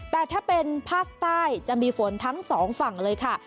แต่ถ้าเป็นภาคใต้จะมีฝนทั้งสองฝั่งเลยค่ะ